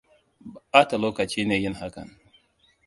Ɓata lokaci ne yin hakan.